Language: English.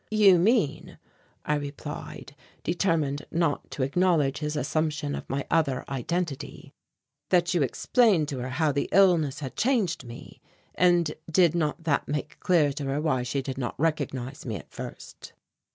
"You mean," I replied, determined not to acknowledge his assumption of my other identity, "that you explained to her how the illness had changed me; and did that not make clear to her why she did not recognize me at first?"